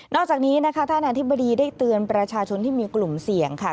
อกจากนี้นะคะท่านอธิบดีได้เตือนประชาชนที่มีกลุ่มเสี่ยงค่ะ